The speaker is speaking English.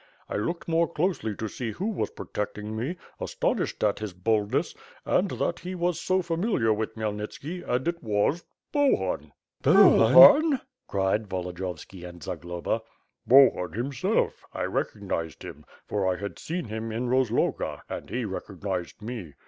I looked more closely to see who was protecting me, astonished at his bold ness and that he was so familiar with Khmyelnitski and it was — Bohun." "Bohun" cried Volodiyovski and Zagloba. "Bohun, himself; I recognized him, for 1 had seen him in Rozloga — and he recognized me.